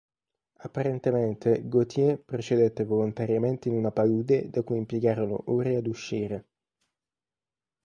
Apparentemente Gautier procedette volontariamente in una palude da cui impiegarono ore ad uscire.